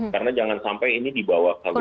karena jangan sampai ini dibawa ke luar